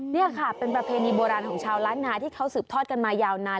นี่ค่ะเป็นประเพณีโบราณของชาวล้านนาที่เขาสืบทอดกันมายาวนาน